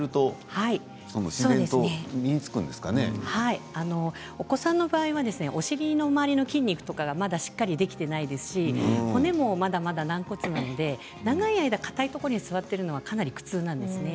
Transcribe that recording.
はい、お子さんの場合はお尻の周りの筋肉とかがまだしっかりできていないですし骨もまだまだ軟骨なので長い間、かたいところに座っているのは、かなり苦痛なんですね。